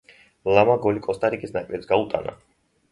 ლამმა გოლი კოსტა-რიკის ნაკრებს გაუტანა.